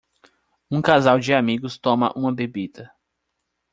Um casal de amigos toma uma bebida